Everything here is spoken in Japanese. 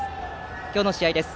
今日の試合です。